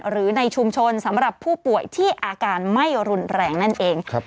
หรือในชุมชนสำหรับผู้ป่วยที่อาการไม่รุนแรงนั่นเอง